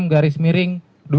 garis miring dua ribu dua puluh